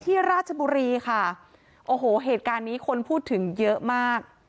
ราชบุรีค่ะโอ้โหเหตุการณ์นี้คนพูดถึงเยอะมาก